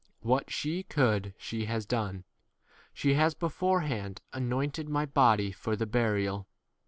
8 What she could she has done. She has beforehand anointed my 9 body for the burial.